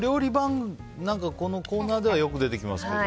このコーナーではよく出てきますけど。